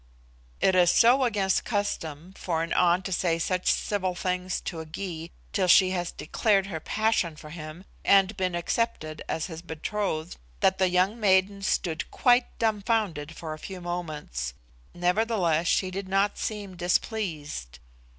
It is so against custom for an An to say such civil things to a Gy till she has declared her passion for him, and been accepted as his betrothed, that the young maiden stood quite dumbfounded for a few moments. Nevertheless she did not seem displeased.